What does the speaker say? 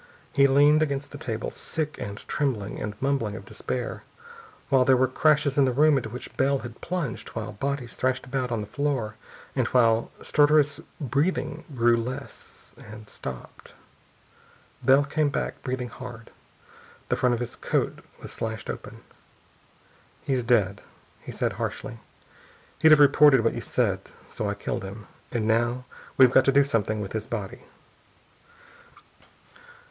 He leaned against the table, sick and trembling and mumbling of despair, while there were crashes in the room into which Bell had plunged, while bodies thrashed about on the floor, and while stertorous breathing grew less, and stopped.... Bell came back, breathing hard. The front of his coat was slashed open. "He's dead," he said harshly. "He'd have reported what you said, so I killed him.... And now we've got to do something with his body."